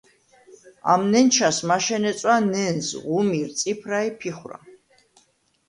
ამ ნენჩას მაშენე წვა ნენზ, ღუმირ, წიფრა ი ფიხვრა.